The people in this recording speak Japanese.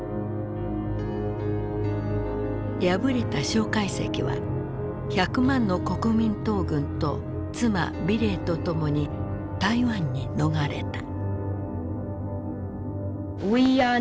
敗れた介石は１００万の国民党軍と妻美齢と共に台湾に逃れた。